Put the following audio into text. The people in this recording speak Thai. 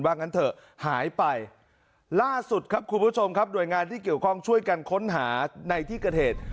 งั้นเถอะหายไปล่าสุดครับคุณผู้ชมครับหน่วยงานที่เกี่ยวข้องช่วยกันค้นหาในที่เกิดเหตุ